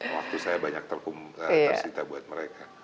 waktu saya banyak tersita buat mereka